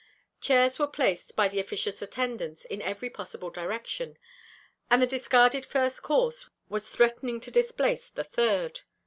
Chairs were placed by the officious attendants in every possible direction; and the discarded first course was threatening to displace the third.